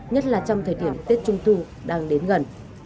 nhất là trong thời điểm tết trung thu đang đến gần